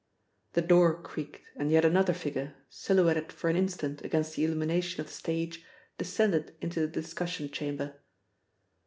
The door creaked and yet another figure, silhouetted for an instant against the illumination of the stage, descended into the discussion chamber.